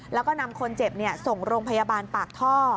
แล้วก็นำคนเจ็บส่งโรงพยาบาลปากท่อ